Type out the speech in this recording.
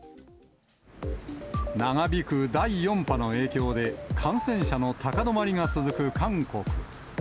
長引く第４波の影響で、感染者の高止まりが続く韓国。